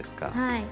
はい。